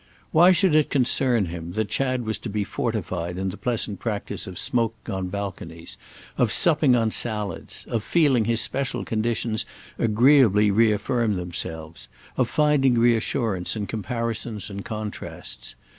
Why should it concern him that Chad was to be fortified in the pleasant practice of smoking on balconies, of supping on salads, of feeling his special conditions agreeably reaffirm themselves, of finding reassurance in comparisons and contrasts?